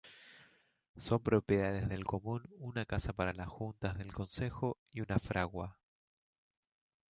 Son propiedades del común una casa para las Juntas del Consejo y una fragua.